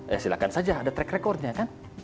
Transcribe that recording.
ya silahkan saja ada track recordnya kan